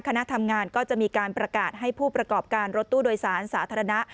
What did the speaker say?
คณะทำงานก็จะมีการประกาศให้ผู้ประกอบการรถตู้โดยสารสาธารณะ